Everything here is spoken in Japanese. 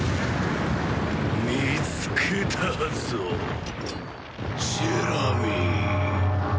見つけたぞジェラミー。